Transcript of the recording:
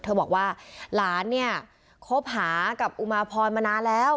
บอกว่าหลานเนี่ยคบหากับอุมาพรมานานแล้ว